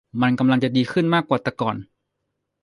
มันกำลังจะดีขึ้นมากกว่าแต่ก่อน